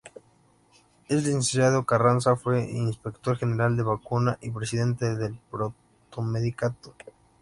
El licenciado Carranza fue inspector general de Vacuna y presidente del Protomedicato.